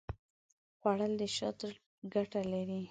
خوړل د شاتو ګټه لري